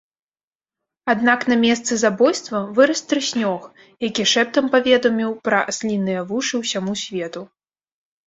Аднак на месцы забойства вырас трыснёг, які шэптам паведаміў пра асліныя вушы ўсяму свету.